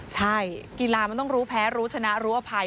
ใช่กีฬามันต้องรู้แพ้รู้ชนะรู้อภัย